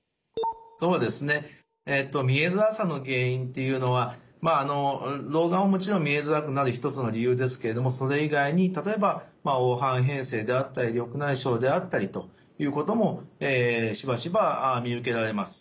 そうですね見えづらさの原因っていうのは老眼ももちろん見えづらくなる一つの理由ですけれどもそれ以外に例えば黄斑変性であったり緑内障であったりということもしばしば見受けられます。